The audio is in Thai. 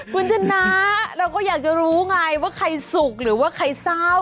คุณชนะเราก็อยากจะรู้ไงว่าใครสุขหรือว่าใครเศร้า